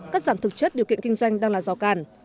cắt giảm thực chất điều kiện kinh doanh đang là rào càn